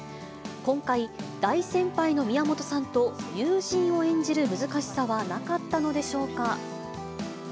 今回、大先輩の宮本さんと友人を演じる難しさはなかったのでしょうか。